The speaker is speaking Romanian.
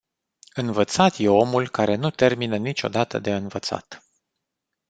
Învățat e omul care nu termină niciodată de învățat.